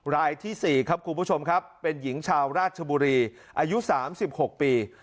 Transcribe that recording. รายที่๔ครับคุณผู้ชมครับเป็นหญิงชาวราชบุรีอายุ๓๖ปี